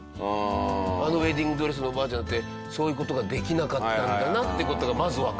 あのウェディングドレスのおばあちゃんってそういう事ができなかったんだなっていう事がまずわかるし。